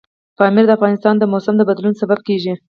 پامیر د افغانستان د موسم د بدلون سبب کېږي.